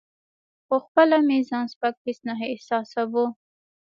خو خپله مې ځان سپک هیڅ نه احساساوه.